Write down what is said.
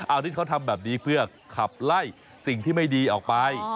อันนี้เขาทำแบบนี้เพื่อขับไล่สิ่งที่ไม่ดีออกไป